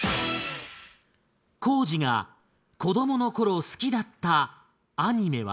光司が子供の頃好きだったアニメは？